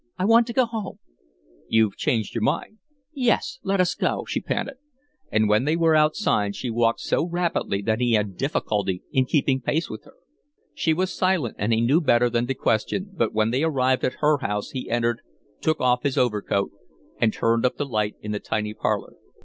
I want to go home." "You've changed your mind?"' "Yes, let us go," she panted, and when they were outside she walked so rapidly that he had difficulty in keeping pace with her. She was silent, and he knew better than to question, but when they arrived at her house he entered, took off his overcoat, and turned up the light in the tiny parlor.